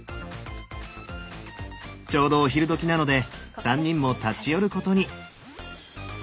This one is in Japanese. ちょうどお昼どきなので３人も立ち寄ることに。